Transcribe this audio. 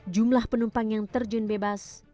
jumlah penumpang yang terjun bebas